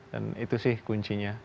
dan itu sih kuncinya